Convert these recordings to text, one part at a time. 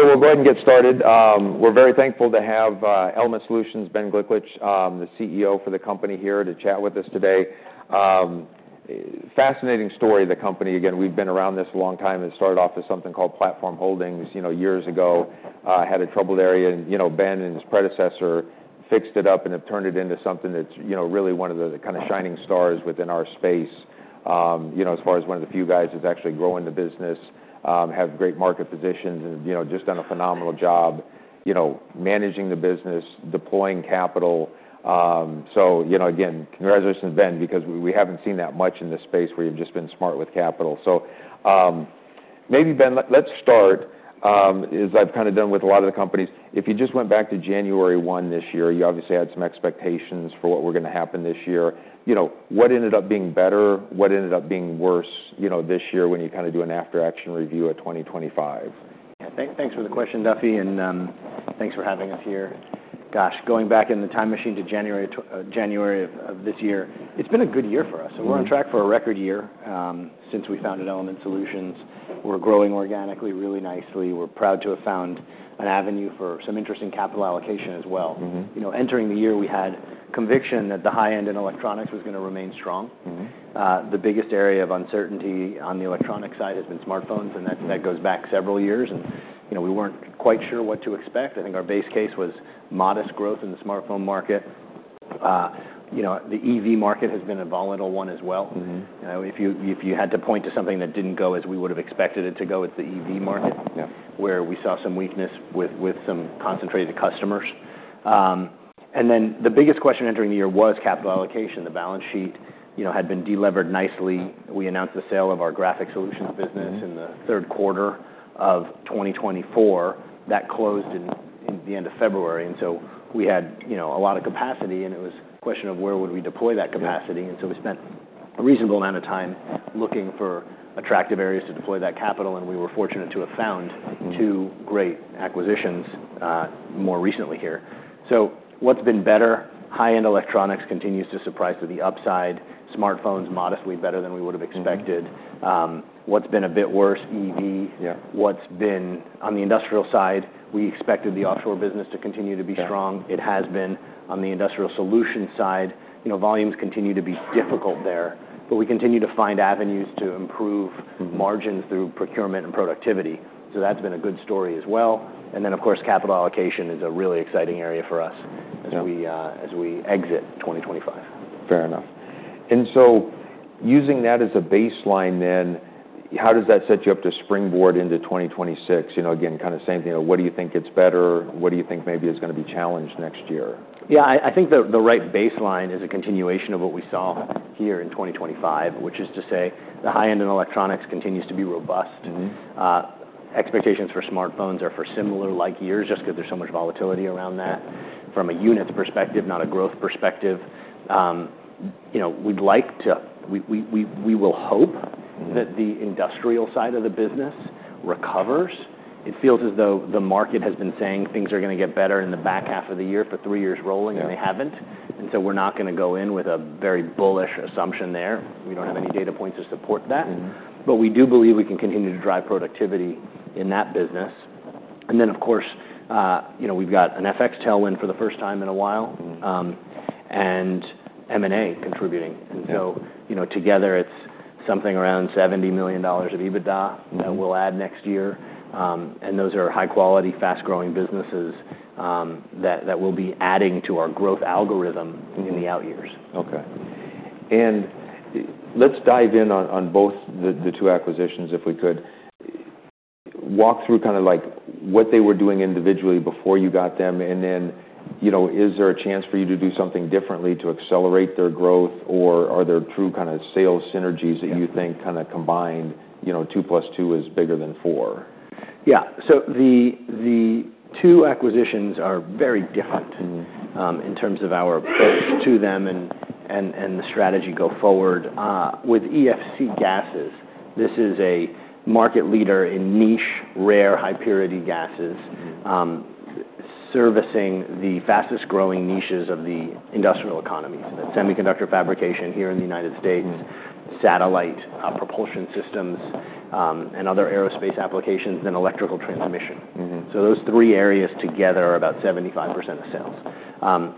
Okay. So we'll go ahead and get started. We're very thankful to have Element Solutions, Ben Gliklich, the CEO for the company here to chat with us today. Fascinating story of the company. Again, we've been around this a long time. It started off as something called Platform Holdings, you know, years ago. Had a troubled area, and, you know, Ben and his predecessor fixed it up and have turned it into something that's, you know, really one of the kind of shining stars within our space, you know, as far as one of the few guys that's actually growing the business, have great market positions and, you know, just done a phenomenal job, you know, managing the business, deploying capital, so, you know, again, congratulations, Ben, because we haven't seen that much in this space where you've just been smart with capital. So, maybe, Ben, let's start, as I've kinda done with a lot of the companies. If you just went back to January one this year, you obviously had some expectations for what were gonna happen this year. You know, what ended up being better? What ended up being worse, you know, this year when you kinda do an after-action review at 2025? Yeah. Thank s for the question, Duffy, and thanks for having us here. Gosh, going back in the time machine to January of this year, it's been a good year for us. Mm-hmm. So we're on track for a record year, since we founded Element Solutions. We're growing organically really nicely. We're proud to have found an avenue for some interesting capital allocation as well. Mm-hmm. You know, entering the year, we had conviction that the high end in electronics was gonna remain strong. Mm-hmm. The biggest area of uncertainty on the electronic side has been smartphones, and that, that goes back several years. You know, we weren't quite sure what to expect. I think our base case was modest growth in the smartphone market. You know, the EV market has been a volatile one as well. Mm-hmm. You know, if you had to point to something that didn't go as we would've expected it to go, it's the EV market. Yeah. Where we saw some weakness with some concentrated customers, and then the biggest question entering the year was capital allocation. The balance sheet, you know, had been delivered nicely. We announced the sale of our Graphics Solutions business in the third quarter of 2024. That closed in the end of February, and so we had, you know, a lot of capacity, and it was a question of where would we deploy that capacity. Mm-hmm. And so we spent a reasonable amount of time looking for attractive areas to deploy that capital, and we were fortunate to have found two great acquisitions, more recently here. So what's been better? High-end electronics continues to surprise to the upside. Smartphones, modestly better than we would've expected. Mm-hmm. What's been a bit worse? EV. Yeah. What's been on the industrial side? We expected the offshore business to continue to be strong. Yeah. It has been on the industrial solutions side. You know, volumes continue to be difficult there, but we continue to find avenues to improve. Mm-hmm. Margins through procurement and productivity, so that's been a good story as well, and then, of course, capital allocation is a really exciting area for us as we exit 2025. Fair enough. And so using that as a baseline then, how does that set you up to springboard into 2026? You know, again, kinda same thing. You know, what do you think gets better? What do you think maybe is gonna be challenged next year? Yeah. I think the right baseline is a continuation of what we saw here in 2025, which is to say the high end in electronics continues to be robust. Mm-hmm. Expectations for smartphones are for similar like years just 'cause there's so much volatility around that from a unit perspective, not a growth perspective. You know, we'd like to. We will hope. Mm-hmm. That the industrial side of the business recovers. It feels as though the market has been saying things are gonna get better in the back half of the year for three years rolling. Yeah. And they haven't. And so we're not gonna go in with a very bullish assumption there. We don't have any data points to support that. Mm-hmm. But we do believe we can continue to drive productivity in that business. And then, of course, you know, we've got an FX tailwind for the first time in a while. Mm-hmm. and M&A contributing. Mm-hmm. And so, you know, together, it's something around $70 million of EBITDA. Mm-hmm. That we'll add next year, and those are high quality, fast growing businesses, that we'll be adding to our growth algorithm. Mm-hmm. In the out years. Okay. Let's dive in on both the two acquisitions if we could. Walk through kinda like what they were doing individually before you got them, and then, you know, is there a chance for you to do something differently to accelerate their growth, or are there true kinda sales synergies that you think kinda combined, you know, two plus two is bigger than four? Yeah, so the two acquisitions are very different. Mm-hmm. In terms of our approach to them and the strategy go forward. With EFC Gases, this is a market leader in niche, rare, high purity gases. Mm-hmm. Servicing the fastest growing niches of the industrial economy. So that's semiconductor fabrication here in the United States. Mm-hmm. Satellite, propulsion systems, and other aerospace applications, then electrical transmission. Mm-hmm. Those three areas together are about 75% of sales.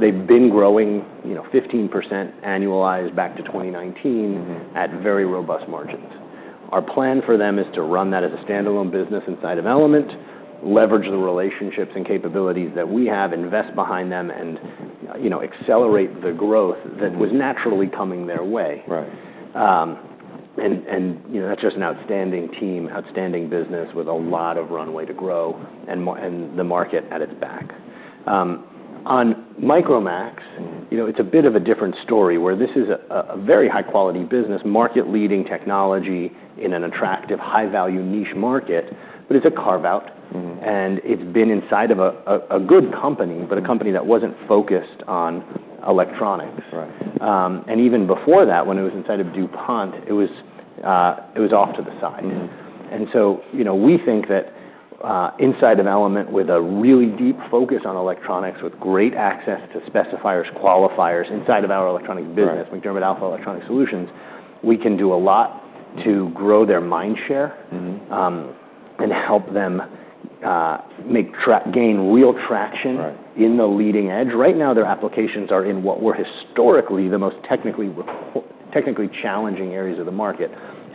They've been growing, you know, 15% annualized back to 2019. Mm-hmm. At very robust margins. Our plan for them is to run that as a standalone business inside of Element, leverage the relationships and capabilities that we have, invest behind them, and, you know, accelerate the growth that was naturally coming their way. Right. You know, that's just an outstanding team, outstanding business with a lot of runway to grow and moat and the market at its back. On Micromax, you know, it's a bit of a different story where this is a very high quality business, market leading technology in an attractive, high value niche market, but it's a carve out. Mm-hmm. It’s been inside of a good company, but a company that wasn’t focused on electronics. Right. And even before that, when it was inside of DuPont, it was off to the side. Mm-hmm. And so, you know, we think that, inside of Element with a really deep focus on electronics, with great access to specifiers, qualifiers inside of our electronic business. Right. MacDermid Alpha Electronics Solutions, we can do a lot to grow their mindshare. Mm-hmm. and help them make traction gain real traction. Right. In the leading edge. Right now, their applications are in what were historically the most technically challenging areas of the market: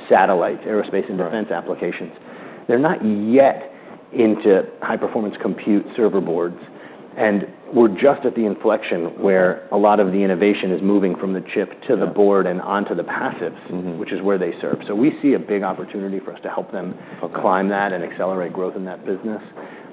satellites, aerospace, and defense applications. Right. They're not yet into high performance compute server boards, and we're just at the inflection where a lot of the innovation is moving from the chip to the board and onto the passives. Mm-hmm. Which is where they serve. So we see a big opportunity for us to help them. Okay. Climb that and accelerate growth in that business,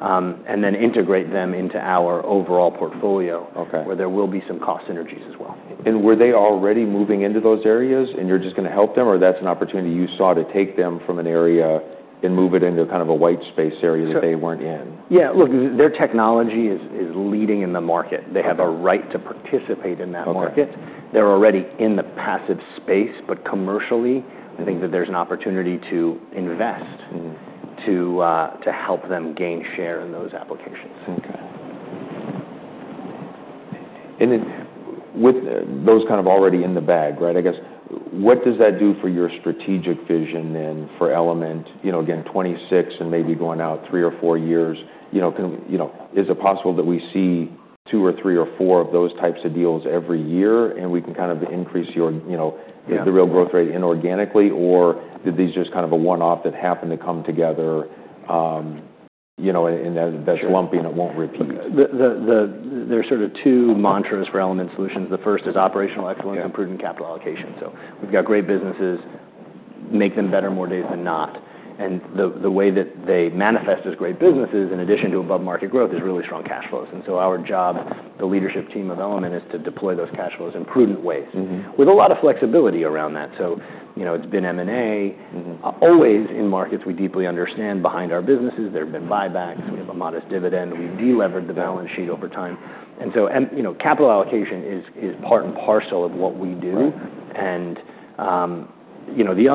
and then integrate them into our overall portfolio. Okay. Where there will be some cost synergies as well. Were they already moving into those areas, and you're just gonna help them, or that's an opportunity you saw to take them from an area and move it into kind of a white space area that they weren't in? Yeah. Look, their technology is leading in the market. Mm-hmm. They have a right to participate in that market. Okay. They're already in the passive space, but commercially, I think that there's an opportunity to invest. Mm-hmm. To help them gain share in those applications. Okay. And then with those kind of already in the bag, right, I guess, what does that do for your strategic vision then for Element? You know, again, 26 and maybe going out three or four years, you know, can, you know, is it possible that we see two or three or four of those types of deals every year and we can kind of increase your, you know. Yeah. The real growth rate inorganically, or did these just kind of a one-off that happened to come together, you know, and they're slumping and won't repeat? The there are sort of two mantras for Element Solutions. The first is operational excellence and prudent capital allocation. So we've got great businesses, make them better more days than not. And the way that they manifest as great businesses in addition to above market growth is really strong cash flows. And so our job, the leadership team of Element, is to deploy those cash flows in prudent ways. Mm-hmm. With a lot of flexibility around that. So, you know, it's been M&A. Mm-hmm. Always in markets we deeply understand, behind our businesses. There've been buybacks. We have a modest dividend. We delivered the balance sheet over time, and so, you know, capital allocation is part and parcel of what we do. Right. And you know, the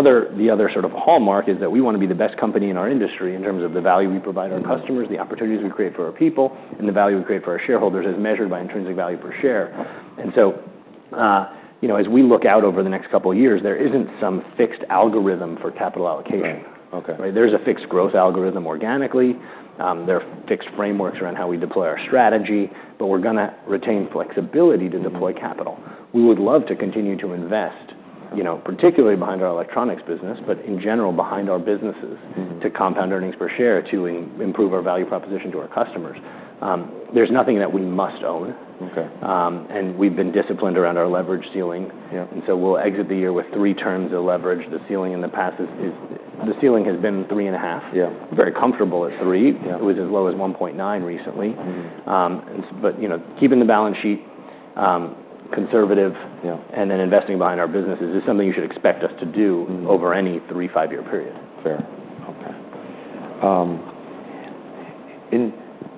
other sort of hallmark is that we wanna be the best company in our industry in terms of the value we provide our customers, the opportunities we create for our people, and the value we create for our shareholders as measured by intrinsic value per share. And so, you know, as we look out over the next couple of years, there isn't some fixed algorithm for capital allocation. Right. Okay. Right? There's a fixed growth algorithm organically. There are fixed frameworks around how we deploy our strategy, but we're gonna retain flexibility to deploy capital. We would love to continue to invest, you know, particularly behind our electronics business, but in general behind our businesses. Mm-hmm. To compound earnings per share, to improve our value proposition to our customers. There's nothing that we must own. Okay. And we've been disciplined around our leverage ceiling. Yeah. And so we'll exit the year with three terms of leverage. The ceiling in the past is the ceiling has been three and a half. Yeah. Very comfortable at three. Yeah. It was as low as 1.9 recently. Mm-hmm. but, you know, keeping the balance sheet conservative. Yeah. Investing behind our businesses is something you should expect us to do. Mm-hmm. Over any three, five-year period. Fair. Okay, and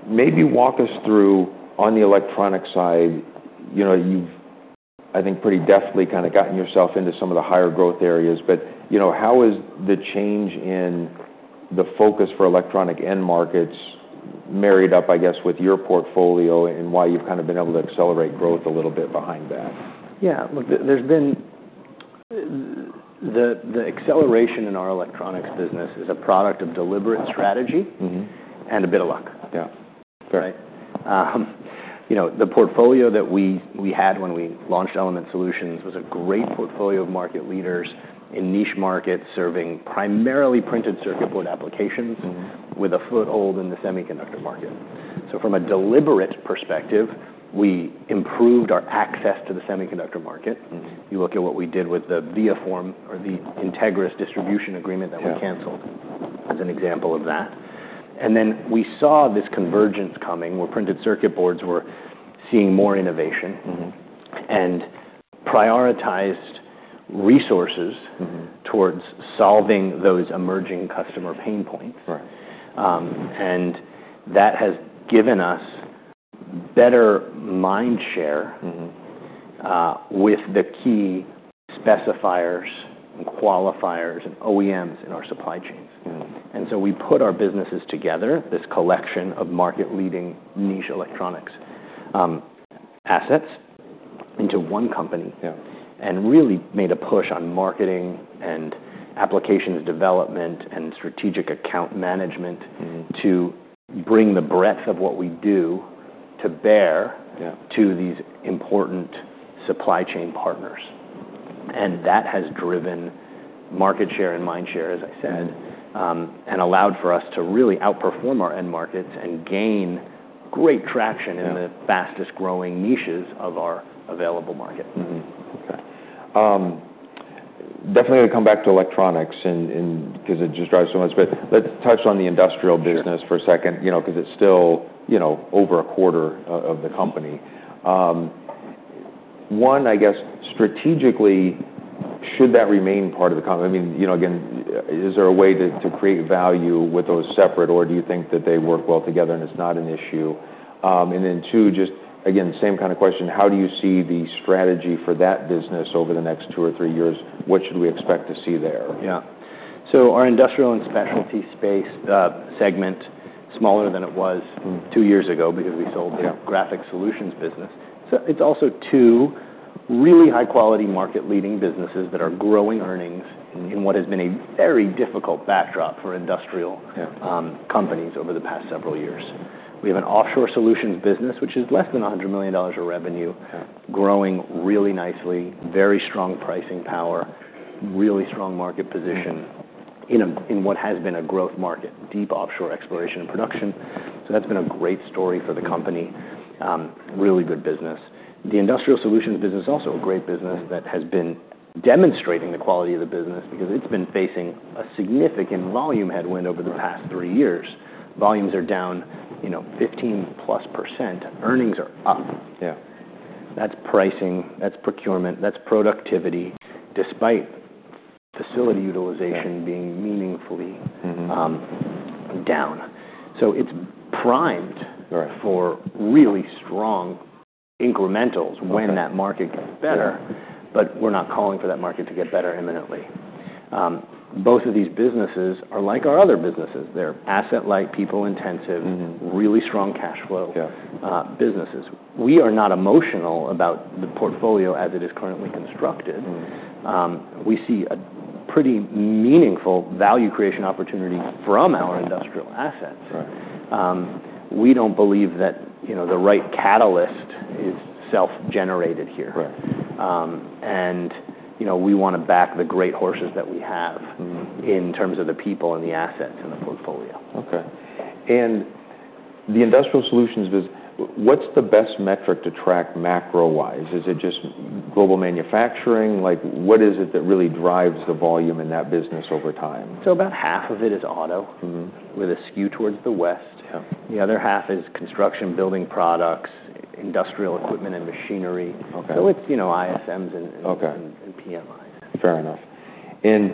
maybe walk us through on the electronic side, you know, you've, I think, pretty definitely kinda gotten yourself into some of the higher growth areas, but, you know, how is the change in the focus for electronic end markets married up, I guess, with your portfolio and why you've kinda been able to accelerate growth a little bit behind that? Yeah. Look, there's been the acceleration in our electronics business is a product of deliberate strategy. Mm-hmm. A bit of luck. Yeah. Fair. Right? You know, the portfolio that we had when we launched Element Solutions was a great portfolio of market leaders in niche markets serving primarily printed circuit board applications. Mm-hmm. With a foothold in the semiconductor market. So from a deliberate perspective, we improved our access to the semiconductor market. Mm-hmm. You look at what we did with the ViaForm or the Entegris distribution agreement that we canceled. Mm-hmm. As an example of that, and then we saw this convergence coming where printed circuit boards were seeing more innovation. Mm-hmm. And prioritized resources. Mm-hmm. Towards solving those emerging customer pain points. Right. and that has given us better mindshare. Mm-hmm. with the key specifiers and qualifiers and OEMs in our supply chains. Mm-hmm. And so we put our businesses together, this collection of market leading niche electronics assets into one company. Yeah. Really made a push on marketing and applications development and strategic account management. Mm-hmm. To bring the breadth of what we do to bear. Yeah. To these important supply chain partners, and that has driven market share and mindshare, as I said. Mm-hmm. and allowed for us to really outperform our end markets and gain great traction in the fastest growing niches of our available market. Mm-hmm. Okay. Definitely gonna come back to electronics and 'cause it just drives so much, but let's touch on the industrial business for a second. Yeah. You know, 'cause it's still, you know, over a quarter of the company. One, I guess, strategically, should that remain part of the company? I mean, you know, again, is there a way to create value with those separate, or do you think that they work well together and it's not an issue? And then two, just again, same kinda question. How do you see the strategy for that business over the next two or three years? What should we expect to see there? Yeah, so our industrial and specialty space, segment, smaller than it was. Mm-hmm. Two years ago because we sold the. Yeah. Graphics Solutions business, so it's also two really high quality market leading businesses that are growing earnings in what has been a very difficult backdrop for industrial. Yeah. companies over the past several years. We have an offshore solutions business, which is less than $100 million of revenue. Yeah. Growing really nicely, very strong pricing power, really strong market position in what has been a growth market, deep offshore exploration and production. So that's been a great story for the company. Really good business. The industrial solutions business is also a great business that has been demonstrating the quality of the business because it's been facing a significant volume headwind over the past three years. Volumes are down, you know, 15% plus. Earnings are up. Yeah. That's pricing, that's procurement, that's productivity, despite facility utilization being meaningfully. Mm-hmm. Down. So it's primed. Right. For really strong incrementals when that market gets better. Right. But we're not calling for that market to get better imminently. Both of these businesses are like our other businesses. They're asset like people intensive. Mm-hmm. Really strong cash flow. Yeah. businesses. We are not emotional about the portfolio as it is currently constructed. Mm-hmm. We see a pretty meaningful value creation opportunity from our industrial assets. Right. We don't believe that, you know, the right catalyst is self generated here. Right. And, you know, we wanna back the great horses that we have. Mm-hmm. In terms of the people and the assets and the portfolio. Okay. And the industrial solutions business, what's the best metric to track macro wise? Is it just global manufacturing? Like, what is it that really drives the volume in that business over time? About half of it is auto. Mm-hmm. With a skew towards the west. Yeah. The other half is construction, building products, industrial equipment and machinery. Okay. It's, you know, ISMs and PMIs. Fair enough. And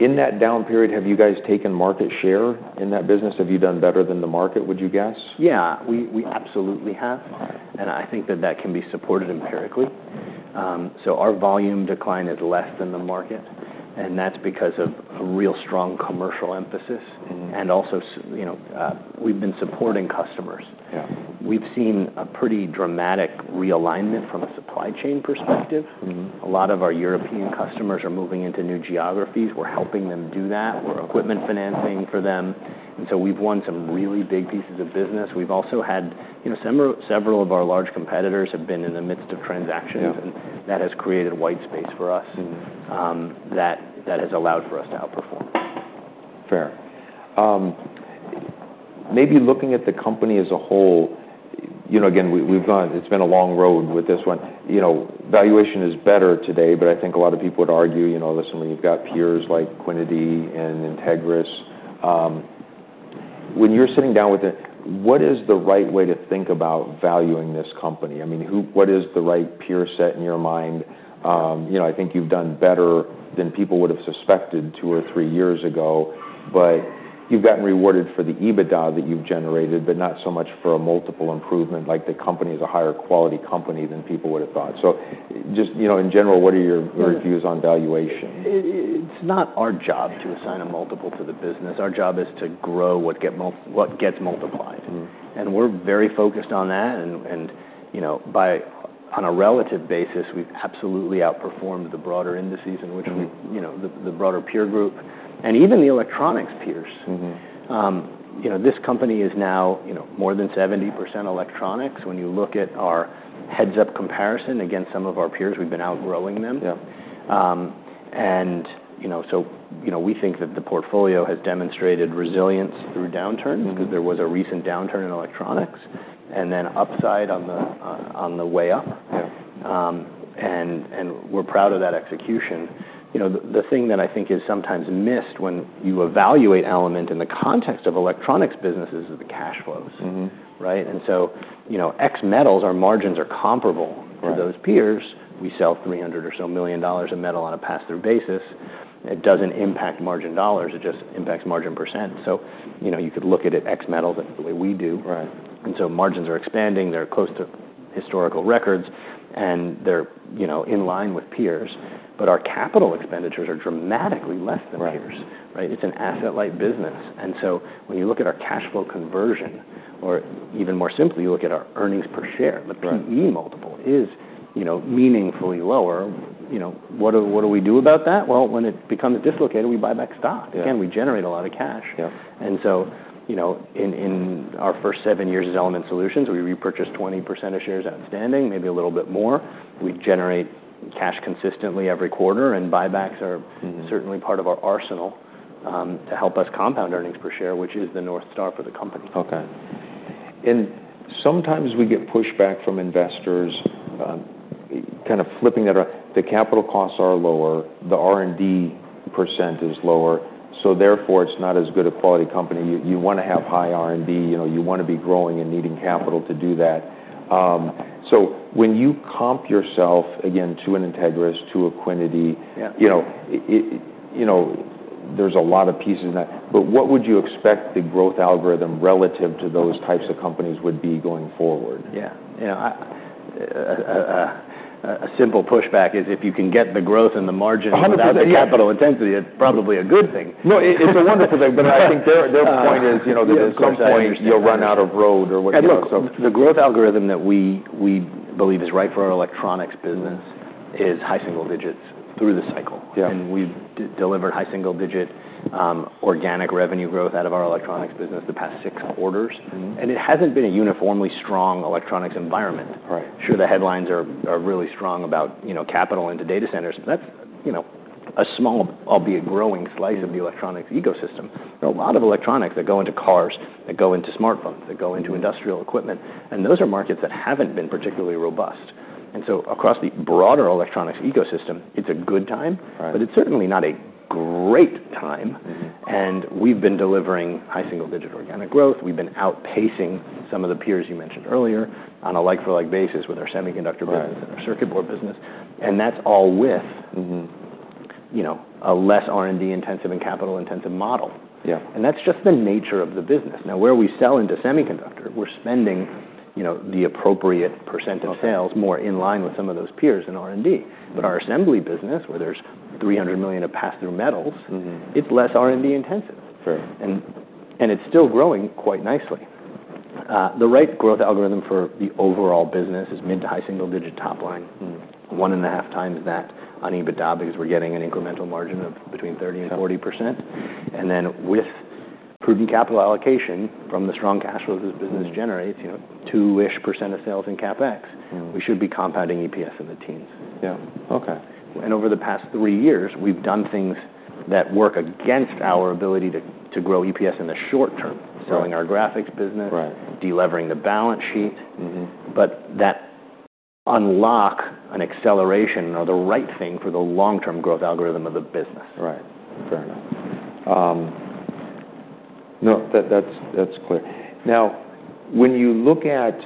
in that down period, have you guys taken market share in that business? Have you done better than the market, would you guess? Yeah. We absolutely have. All right. And I think that that can be supported empirically. So our volume decline is less than the market, and that's because of a real strong commercial emphasis. Mm-hmm. And also, you know, we've been supporting customers. Yeah. We've seen a pretty dramatic realignment from a supply chain perspective. Mm-hmm. A lot of our European customers are moving into new geographies. We're helping them do that. We're equipment financing for them. And so we've won some really big pieces of business. We've also had, you know, several of our large competitors have been in the midst of transactions. Yeah. That has created white space for us. Mm-hmm. That has allowed for us to outperform. Fair. Maybe looking at the company as a whole, you know, again, we've gone, it's been a long road with this one. You know, valuation is better today, but I think a lot of people would argue, you know, listen, when you've got peers like Qnity and Entegris, when you're sitting down with it, what is the right way to think about valuing this company? I mean, what is the right peer set in your mind? You know, I think you've done better than people would have suspected two or three years ago, but you've gotten rewarded for the EBITDA that you've generated, but not so much for a multiple improvement. Like, the company is a higher quality company than people would have thought. So just, you know, in general, what are your views on valuation? It's not our job to assign a multiple to the business. Our job is to grow what gets multiplied. Mm-hmm. And we're very focused on that and, you know, buy on a relative basis, we've absolutely outperformed the broader indices in which we. Mm-hmm. You know, the broader peer group and even the electronics peers. Mm-hmm. You know, this company is now, you know, more than 70% electronics. When you look at our heads up comparison against some of our peers, we've been outgrowing them. Yeah. You know, so, you know, we think that the portfolio has demonstrated resilience through downturns. Mm-hmm. 'Cause there was a recent downturn in electronics and then upside on the way up. Yeah. We're proud of that execution. You know, the thing that I think is sometimes missed when you evaluate Element in the context of electronics businesses is the cash flows. Mm-hmm. Right? And so, you know, x metals our margins are comparable. Right. For those peers. We sell $300 million or so of metal on a pass-through basis. It doesn't impact margin dollars. It just impacts margin percent. So, you know, you could look at it x metals the way we do. Right. Margins are expanding. They're close to historical records, and they're, you know, in line with peers, but our capital expenditures are dramatically less than peers. Right. Right? It's an asset-like business. And so when you look at our cash flow conversion or even more simply, you look at our earnings per share. Right. The PE multiple is, you know, meaningfully lower. You know, what do we do about that? Well, when it becomes dislocated, we buy back stock. Yeah. Again, we generate a lot of cash. Yeah. And so, you know, in our first seven years as Element Solutions, we repurchased 20% of shares outstanding, maybe a little bit more. We generate cash consistently every quarter, and buybacks are. Mm-hmm. Certainly part of our arsenal, to help us compound earnings per share, which is the north star for the company. Okay. And sometimes we get pushback from investors, kinda flipping that around. The capital costs are lower. The R&D percentage is lower. So therefore, it's not as good a quality company. You wanna have high R&D. You know, you wanna be growing and needing capital to do that. So when you comp yourself, again, to an Entegris, to a Qnity. Yeah. You know, it, you know, there's a lot of pieces in that. But what would you expect the growth algorithm relative to those types of companies would be going forward? Yeah. A simple pushback is if you can get the growth and the margin. 100%. Without the capital intensity, it's probably a good thing. No, it's a wonderful thing. But I think their, their point is, you know, there's some point you'll run out of road or whatever. Look, the growth algorithm that we believe is right for our electronics business is high single digits through the cycle. Yeah. We've delivered high single-digit organic revenue growth out of our electronics business the past six quarters. Mm-hmm. It hasn't been a uniformly strong electronics environment. Right. Sure, the headlines are really strong about, you know, capital into data centers. That's, you know, a small albeit growing slice of the electronics ecosystem. There are a lot of electronics that go into cars, that go into smartphones, that go into industrial equipment, and those are markets that haven't been particularly robust. And so across the broader electronics ecosystem, it's a good time. Right. It's certainly not a great time. Mm-hmm. We've been delivering high single digit organic growth. We've been outpacing some of the peers you mentioned earlier on a like for like basis with our semiconductor business. Right. And our circuit board business. And that's all with. Mm-hmm. You know, a less R&D intensive and capital intensive model. Yeah. That's just the nature of the business. Now, where we sell into semiconductor, we're spending, you know, the appropriate percent of sales. Okay. More in line with some of those peers in R&D. Mm-hmm. But our assembly business, where there's $300 million of pass-through metals. Mm-hmm. It's less R&D intensive. Fair. It's still growing quite nicely. The right growth algorithm for the overall business is mid- to high-single-digit top line. Mm-hmm. One and a half times that on EBITDA because we're getting an incremental margin of between 30% and 40%. Yeah. And then with prudent capital allocation from the strong cash flow this business generates, you know, two-ish percent of sales in CapEx. Mm-hmm. We should be compounding EPS in the teens. Yeah. Okay. Over the past three years, we've done things that work against our ability to grow EPS in the short term. Right. Selling our graphics business. Right. Delivering the balance sheet. Mm-hmm. But that unlocks an acceleration or the right thing for the long-term growth algorithm of the business. Right. Fair enough. No, that's clear. Now, when you look at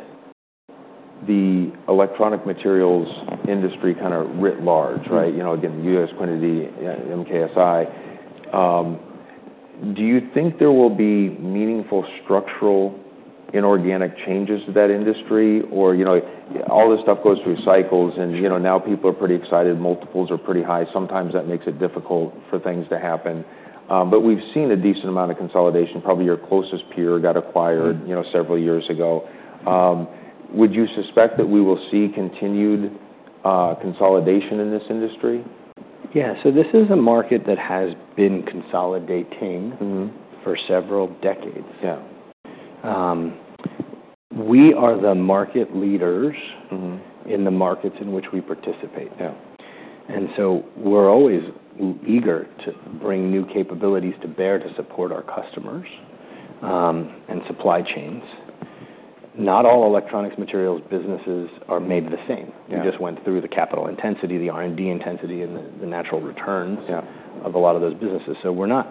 the electronic materials industry kinda writ large. Mm-hmm. Right? You know, again, U.S., Entegris, MKSI. Do you think there will be meaningful structural inorganic changes to that industry or, you know, all this stuff goes through cycles and, you know, now people are pretty excited. Multiples are pretty high. Sometimes that makes it difficult for things to happen. But we've seen a decent amount of consolidation. Probably your closest peer got acquired, you know, several years ago. Would you suspect that we will see continued consolidation in this industry? Yeah, so this is a market that has been consolidating. Mm-hmm. For several decades. Yeah. We are the market leaders. Mm-hmm. In the markets in which we participate. Yeah. We're always eager to bring new capabilities to bear to support our customers and supply chains. Not all electronics materials businesses are made the same. Yeah. We just went through the capital intensity, the R&D intensity, and the natural returns. Yeah. Of a lot of those businesses. So we're not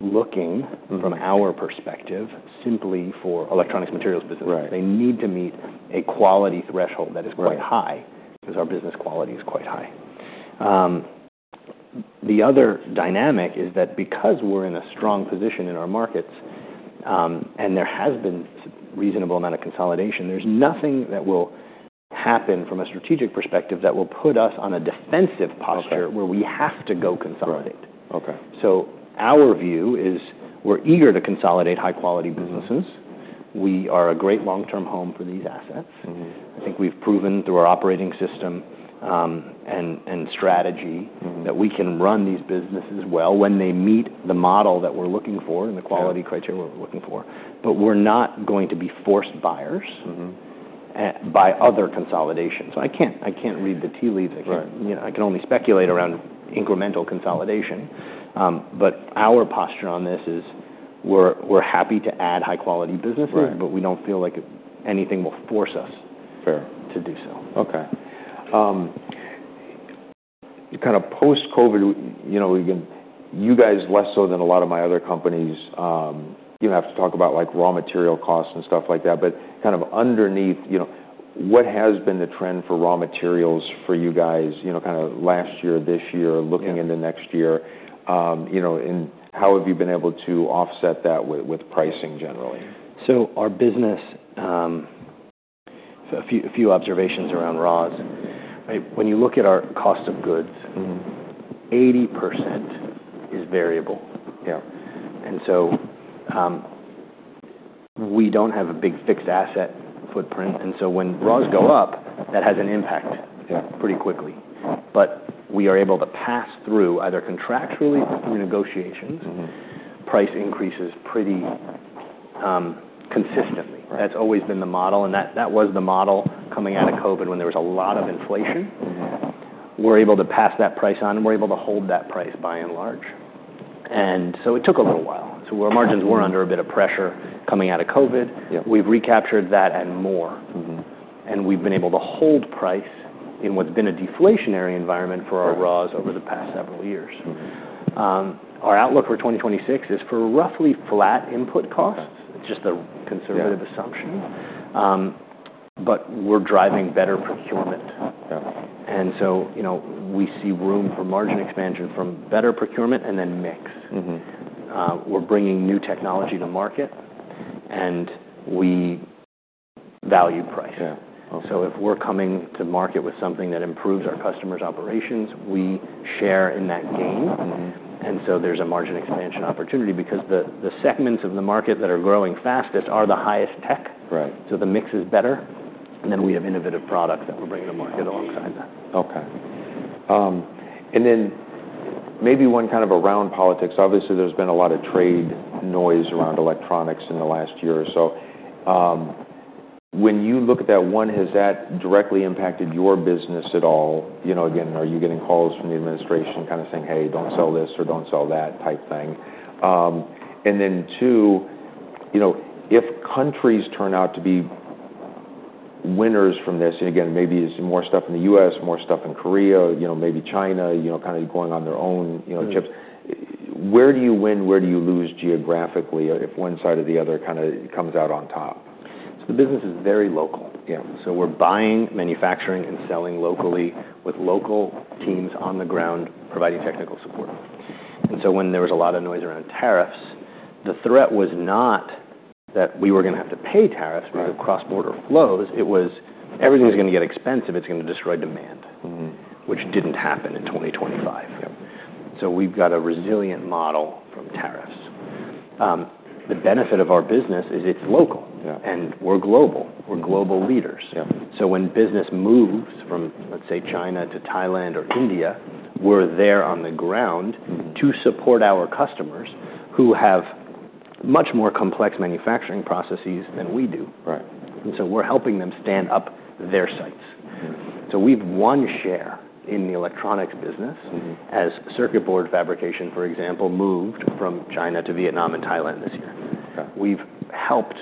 looking. Mm-hmm. From our perspective simply for electronics materials business. Right. They need to meet a quality threshold that is quite high. Right. 'Cause our business quality is quite high. The other dynamic is that because we're in a strong position in our markets, and there has been a reasonable amount of consolidation, there's nothing that will happen from a strategic perspective that will put us on a defensive posture. Okay. Where we have to go consolidate. Right. Okay. So our view is we're eager to consolidate high quality businesses. Mm-hmm. We are a great long-term home for these assets. Mm-hmm. I think we've proven through our operating system, and strategy. Mm-hmm. That we can run these businesses well when they meet the model that we're looking for and the quality criteria we're looking for. But we're not going to be forced buyers. Mm-hmm. by other consolidations. I can't read the tea leaves again. Right. You know, I can only speculate around incremental consolidation. But our posture on this is we're happy to add high quality businesses. Right. But we don't feel like anything will force us. Fair. To do so. Okay. Kinda post-COVID, you know, again, you guys less so than a lot of my other companies. You don't have to talk about like raw material costs and stuff like that, but kind of underneath, you know, what has been the trend for raw materials for you guys, you know, kinda last year, this year, looking into next year? You know, and how have you been able to offset that with pricing generally? Our business, a few observations around raws. When you look at our cost of goods. Mm-hmm. 80% is variable. Yeah. We don't have a big fixed asset footprint. When raws go up, that has an impact. Yeah. Pretty quickly, but we are able to pass through either contractually through negotiations. Mm-hmm. Price increases pretty consistently. Right. That's always been the model, and that, that was the model coming out of COVID when there was a lot of inflation. Mm-hmm. We're able to pass that price on. We're able to hold that price by and large. And so it took a little while. So our margins were under a bit of pressure coming out of COVID. Yeah. We've recaptured that and more. Mm-hmm. We've been able to hold price in what's been a deflationary environment for our raws over the past several years. Mm-hmm. Our outlook for 2026 is for roughly flat input costs. Okay. It's just a conservative assumption. Yeah. But we're driving better procurement. Yeah. And so, you know, we see room for margin expansion from better procurement and then mix. Mm-hmm. We're bringing new technology to market, and we value price. Yeah. Okay. So if we're coming to market with something that improves our customers' operations, we share in that gain. Mm-hmm. There's a margin expansion opportunity because the segments of the market that are growing fastest are the highest tech. Right. So the mix is better. And then we have innovative products that we're bringing to market alongside that. Okay, and then maybe one kind of around politics. Obviously, there's been a lot of trade noise around electronics in the last year or so. When you look at that, one, has that directly impacted your business at all? You know, again, are you getting calls from the administration kinda saying, "Hey, don't sell this or don't sell that," type thing? And then two, you know, if countries turn out to be winners from this, and again, maybe it's more stuff in the U.S., more stuff in Korea, you know, maybe China, you know, kinda going on their own, you know, chips. Mm-hmm. Where do you win? Where do you lose geographically if one side or the other kinda comes out on top? The business is very local. Yeah. So we're buying, manufacturing, and selling locally with local teams on the ground providing technical support. And so when there was a lot of noise around tariffs, the threat was not that we were gonna have to pay tariffs. Right. Because of cross-border flows. It was everything's gonna get expensive. It's gonna destroy demand. Mm-hmm. Which didn't happen in 2025. Yeah. So we've got a resilient model from tariffs. The benefit of our business is it's local. Yeah. We're global. We're global leaders. Yeah. So when business moves from, let's say, China to Thailand or India, we're there on the ground. Mm-hmm. To support our customers who have much more complex manufacturing processes than we do. Right. We're helping them stand up their sites. Mm-hmm. So we've won share in the electronics business. Mm-hmm. As circuit board fabrication, for example, moved from China to Vietnam and Thailand this year. Okay. We've helped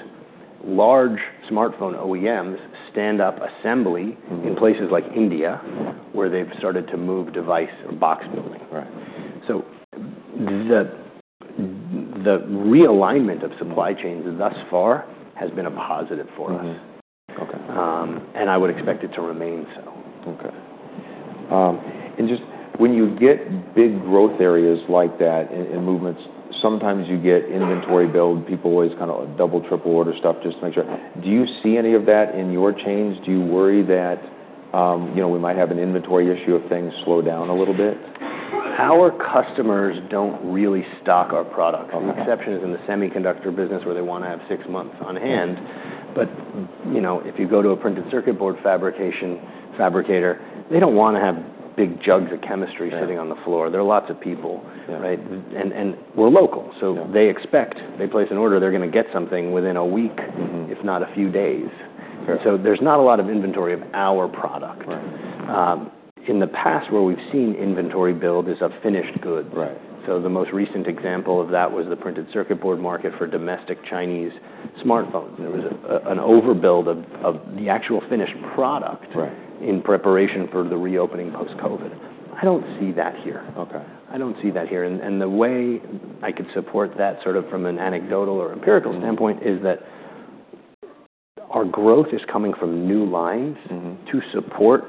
large smartphone OEMs stand up assembly. Mm-hmm. In places like India where they've started to move device or box building. Right. The realignment of supply chains thus far has been a positive for us. Mm-hmm. Okay. And I would expect it to remain so. Okay. And just when you get big growth areas like that and movements, sometimes you get inventory build. People always kinda double, triple order stuff just to make sure. Do you see any of that in your chains? Do you worry that, you know, we might have an inventory issue if things slow down a little bit? Our customers don't really stock our product. Okay. The exception is in the semiconductor business where they wanna have six months on hand. But, you know, if you go to a printed circuit board fabricator, they don't wanna have big jugs of chemistry. Right. Sitting on the floor. There are lots of people. Yeah. Right? And we're local. Yeah. So they expect, they place an order, they're gonna get something within a week. Mm-hmm. If not a few days. Fair. There's not a lot of inventory of our product. Right. In the past where we've seen inventory build is of finished goods. Right. The most recent example of that was the printed circuit board market for domestic Chinese smartphones. There was an overbuild of the actual finished product. Right. In preparation for the reopening post-COVID. I don't see that here. Okay. I don't see that here, and the way I could support that sort of from an anecdotal or empirical standpoint is that our growth is coming from new lines. Mm-hmm. To support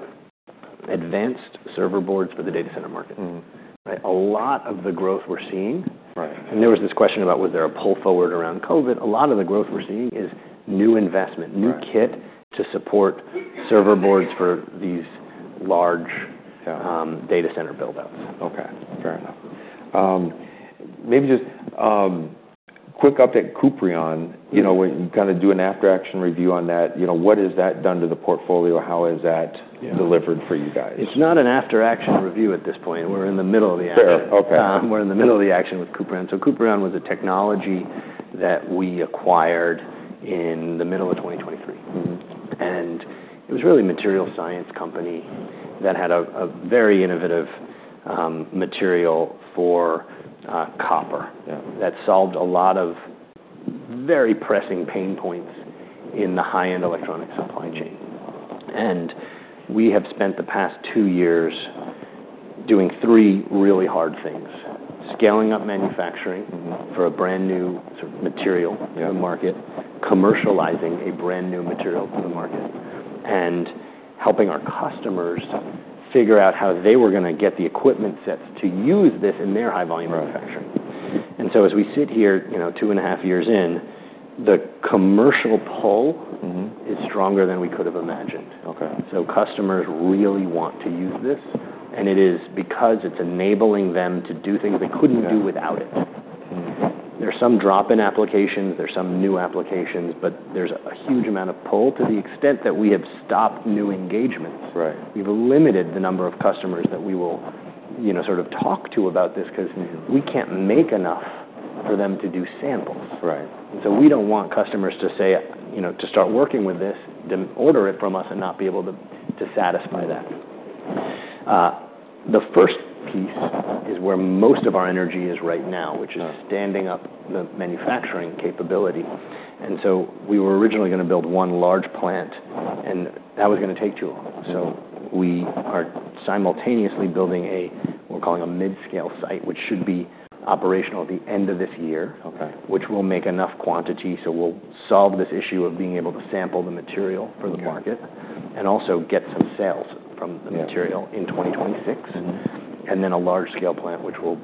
advanced server boards for the data center market. Mm-hmm. Right? A lot of the growth we're seeing. Right. There was this question about was there a pull forward around COVID. A lot of the growth we're seeing is new investment. Mm-hmm. New kit to support server boards for these large. Yeah. data center buildouts. Okay. Fair enough. Maybe just quick update Kuprion. Yes. You know, we kinda do an after-action review on that. You know, what has that done to the portfolio? How has that delivered for you guys? It's not an after-action review at this point. We're in the middle of the action. Fair. Okay. We're in the middle of the action with Kuprion. So Kuprion was a technology that we acquired in the middle of 2023. Mm-hmm. It was really a material science company that had a very innovative material for copper. Yeah. That solved a lot of very pressing pain points in the high-end electronics supply chain, and we have spent the past two years doing three really hard things: scaling up manufacturing. Mm-hmm. For a brand new sort of material. Yeah. In the market, commercializing a brand new material in the market, and helping our customers figure out how they were gonna get the equipment sets to use this in their high-volume manufacturing. Right. And so as we sit here, you know, two and a half years in, the commercial pull. Mm-hmm. Is stronger than we could have imagined. Okay. So customers really want to use this. And it is because it's enabling them to do things they couldn't do without it. Mm-hmm. There's some drop-in applications. There's some new applications, but there's a huge amount of pull to the extent that we have stopped new engagements. Right. We've limited the number of customers that we will, you know, sort of talk to about this 'cause. Mm-hmm. We can't make enough for them to do samples. Right. And so we don't want customers to say, you know, to start working with this, then order it from us and not be able to satisfy that. The first piece is where most of our energy is right now, which is. Uh-huh. Standing up the manufacturing capability, and so we were originally gonna build one large plant, and that was gonna take too long. Mm-hmm. So we are simultaneously building a, we're calling a mid-scale site, which should be operational at the end of this year. Okay. Which will make enough quantity so we'll solve this issue of being able to sample the material for the market. Okay. Also get some sales from the material. Yeah. In 2026. Mm-hmm. And then a large-scale plant, which will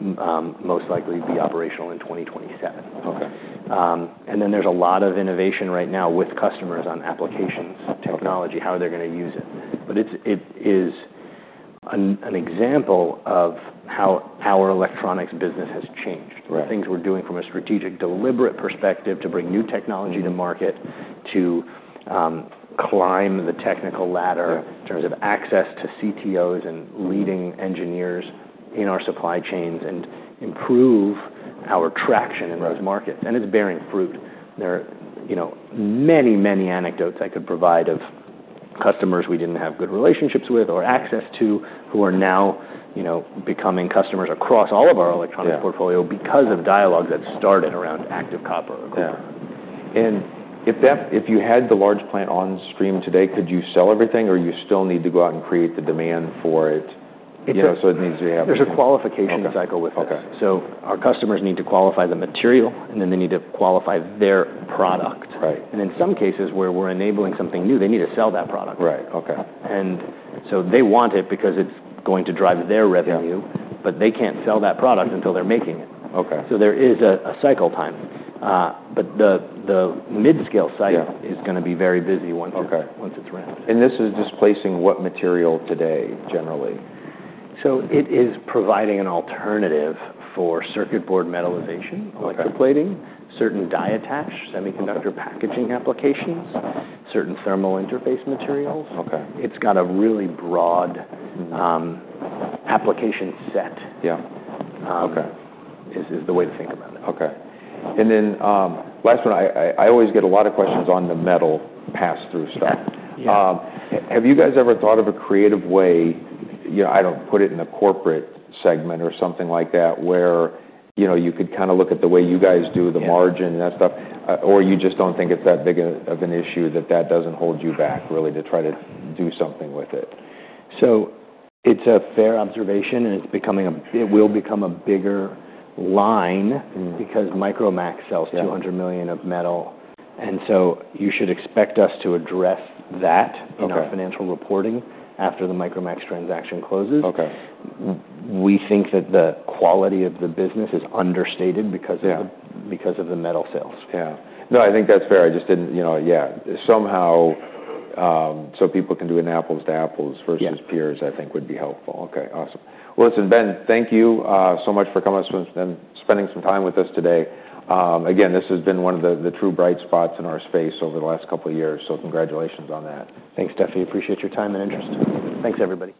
most likely be operational in 2027. Okay. And then there's a lot of innovation right now with customers on applications. Mm-hmm. Technology, how they're gonna use it. But it is an example of how our electronics business has changed. Right. Things we're doing from a strategic deliberate perspective to bring new technology to market, to climb the technical ladder. Yeah. In terms of access to CTOs and leading engineers in our supply chains and improve our traction in those markets. Right. It's bearing fruit. There are, you know, many, many anecdotes I could provide of customers we didn't have good relationships with or access to who are now, you know, becoming customers across all of our electronics. Yeah. Portfolio because of dialogue that started around ActiveCopper or copper. Yeah. And if you had the large plant on stream today, could you sell everything or you still need to go out and create the demand for it? It's. You know, so it needs to have. There's a qualification cycle with it. Okay. Our customers need to qualify the material, and then they need to qualify their product. Right. In some cases where we're enabling something new, they need to sell that product. Right. Okay. They want it because it's going to drive their revenue. Yeah. But they can't sell that product until they're making it. Okay. So there is a cycle time, but the mid-scale site. Yeah. It's gonna be very busy once. Okay. Once it's ramped. This is displacing what material today generally? It is providing an alternative for circuit board metallization. Okay. Electroplating, certain die attach semiconductor packaging applications, certain thermal interface materials. Okay. It's got a really broad. Mm-hmm. application set. Yeah. Okay. is the way to think about it. Okay. And then, last one, I always get a lot of questions on the metal pass-through stuff. Yeah. Have you guys ever thought of a creative way, you know, I don't put it in the corporate segment or something like that, where, you know, you could kinda look at the way you guys do the margin and that stuff, or you just don't think it's that big of an issue that that doesn't hold you back really to try to do something with it? So it's a fair observation, and it's becoming a. It will become a bigger line. Mm-hmm. Because Micromax sells $200 million of metal. Yeah. You should expect us to address that. Okay. In our financial reporting after the Micromax transaction closes. Okay. We think that the quality of the business is understated because of the. Yeah. Because of the metal sales. Yeah. No, I think that's fair. I just didn't, you know, yeah, somehow, so people can do an apples to apples versus peers. Yeah. I think would be helpful. Okay. Awesome. Well, listen, Ben. Thank you so much for coming and spending some time with us today. Again, this has been one of the true bright spots in our space over the last couple of years. So congratulations on that. Thanks, Duff. Appreciate your time and interest. Thanks, everybody.